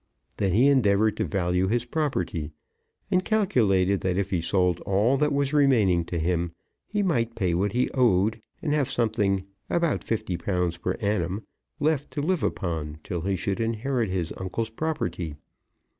Then he endeavoured to value his property, and calculated that if he sold all that was remaining to him he might pay what he owed, and have something about fifty pounds per annum left to live upon till he should inherit his uncle's property.